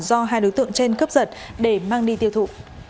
do hai đối tượng trên cướp giật để mang đi tiêu thụ